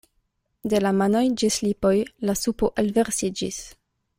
De la manoj ĝis lipoj la supo elverŝiĝis.